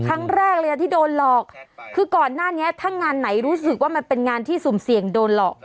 ครั้งแรกเลยนะที่โดนหลอกคือก่อนหน้านี้ถ้างานไหนรู้สึกว่ามันเป็นงานที่สุ่มเสี่ยงโดนหลอก